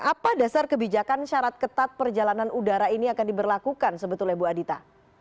apa dasar kebijakan syarat ketat perjalanan udara ini akan diberlakukan sebetulnya bu adita